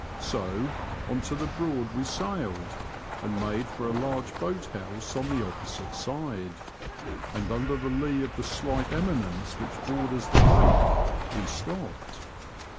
So on to the Broad we sailed, and made for a large boat house on the opposite side, and under the lee of the slight eminence which borders the lake we stopped.